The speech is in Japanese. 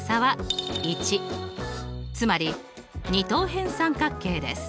つまり二等辺三角形です。